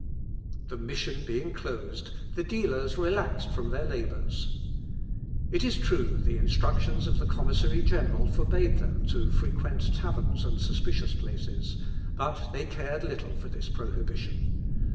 The mission being closed, the dealers relaxed from their labours. It is true the instructions of the commissary general forbade them to frequent taverns and suspicious places; but they cared little for this prohibition.